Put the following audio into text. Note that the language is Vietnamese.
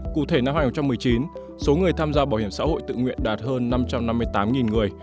cụ thể năm hai nghìn một mươi chín số người tham gia bảo hiểm xã hội tự nguyện đạt hơn năm trăm năm mươi tám người